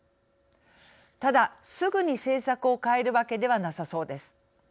ただすぐに政策を変えるわけではなさそうです。